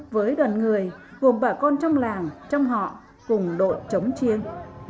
với đoàn người gồm bà con trong làng trong họ cùng đội chống chiêng